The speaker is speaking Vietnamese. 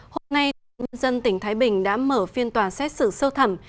hôm nay tổng thống nhân dân tỉnh thái bình đã mở phiên tòa xét xử sâu thẳm